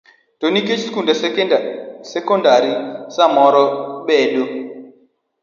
To nikech skunde sekondar samoro bedo